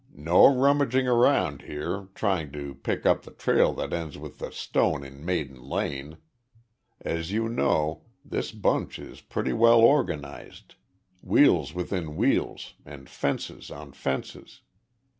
No rummaging around here, trying to pick up the trail that ends with the stone in Maiden Lane. As you know, this bunch is pretty well organized, wheels within wheels and fences on fences.